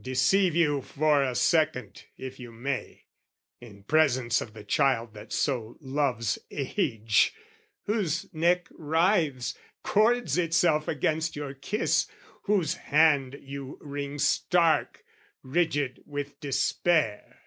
Deceive you for a second, if you may, In presence of the child that so loves age, Whose neck writhes, cords itself against your kiss, Whose hand you wring stark, rigid with despair!